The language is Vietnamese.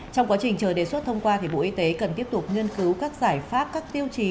trong quá trình chờ đề xuất thông qua bộ y tế cần tiếp tục nghiên cứu các giải pháp các tiêu chí